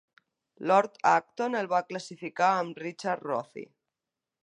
Lord Acton el va classificar amb Richard Rothe.